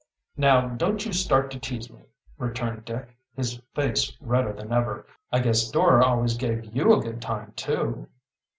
"Now don't you start to tease me," returned Dick, his face redder than ever. "I guess Dora always gave you a good time, too."